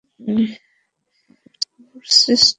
ভোরস্টিন, বলুন?